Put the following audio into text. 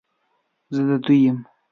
زه د دوی یم،